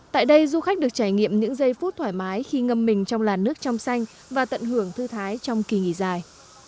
tại đây du khách được trải nghiệm những giây phút thoải mái khi ngâm mình trong làn nước trong xanh và tận hưởng thư thái trong kỳ nghỉ dài